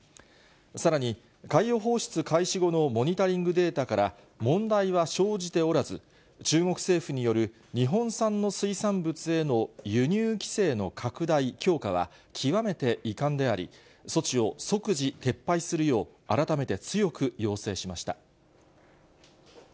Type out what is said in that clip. さらに、海洋放出開始後のモニタリングデータから問題は生じておらず、中国政府による日本産の水産物への輸入規制の拡大、強化は極めて遺憾であり、措置を即時撤廃するよう、改めて強く要請しました。